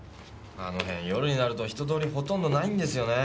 あの辺夜になると人通りほとんどないんですよね